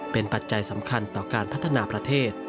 เป็นปัจจัยสำคัญต่อการพัฒนาประเทศ